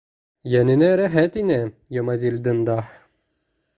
Йәненә рәхәт ине Йомаҙилдың да.